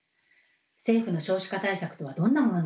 政府の少子化対策とはどんなものなのか。